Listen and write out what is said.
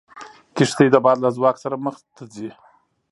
کښتۍ د باد له ځواک سره مخ ته ځي.